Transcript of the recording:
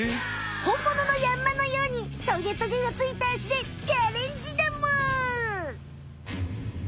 ほんもののヤンマのようにトゲトゲがついたアシでチャレンジだむ。